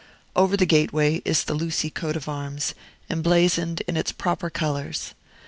Over the gateway is the Lucy coat of arms, emblazoned in its proper colors.